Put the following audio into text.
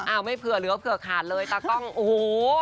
ไม่เผื่อเหลือเผื่อขาดเลยตากล้องโอ้โห